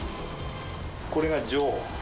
これが女王。